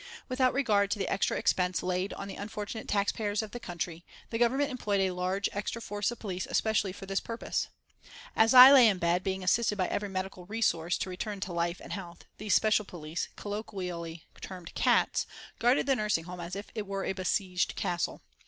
Without regard to the extra expense laid on the unfortunate tax payers of the country, the Government employed a large extra force of police especially for this purpose. As I lay in bed, being assisted by every medical resource to return to life and health, these special police, colloquially termed "Cats," guarded the nursing home as if it were a besieged castle.